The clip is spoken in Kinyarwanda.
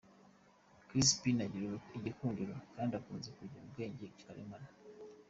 Crispin agira igikundiro kandi akunze kugira ubwenge karemano.